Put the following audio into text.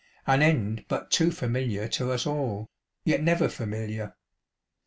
An end but too familiar to us all, yet never familiar.